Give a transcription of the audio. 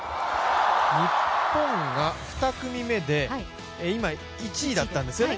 日本が２組目で、今１位だったんですよね。